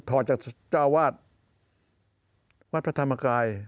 ถอนจากเจ้าวาดวัดพระธรรมกาย